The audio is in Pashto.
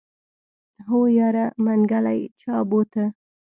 هو يره منګلی چا بوته.